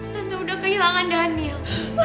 tante udah kehilangan daniel